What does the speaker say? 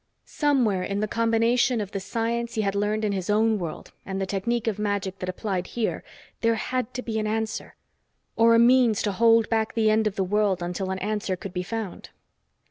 Somewhere in the combination of the science he had learned in his own world and the technique of magic that applied here there had to be an answer or a means to hold back the end of the world until an answer could be found.